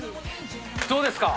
どうですか。